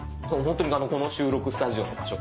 本当にこの収録スタジオの場所